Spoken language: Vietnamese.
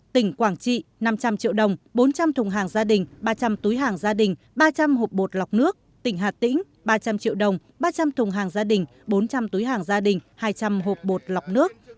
tỉnh quảng trị năm trăm linh triệu đồng bốn trăm linh thùng hàng gia đình ba trăm linh túi hàng gia đình ba trăm linh hộp bột lọc nước tỉnh hà tĩnh ba trăm linh triệu đồng ba trăm linh thùng hàng gia đình bốn trăm linh túi hàng gia đình hai trăm linh hộp bột lọc nước